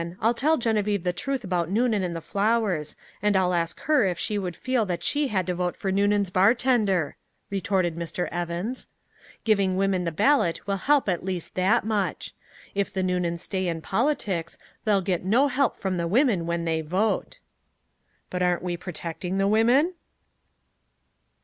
I'll tell Geneviève the truth about Noonan and the flowers, and I'll ask her if she would feel that she had to vote for Noonan's bartender!" retorted Mr. Evans. "Giving women the ballot will help at least that much. If the Noonans stay in politics, they'll get no help from the women when they vote!" "But aren't we protecting the women?"